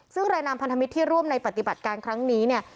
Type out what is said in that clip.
ซึ่งรายนามพันธมิตรที่ร่วมในปฏิบัติการครั้งนี้เนี่ย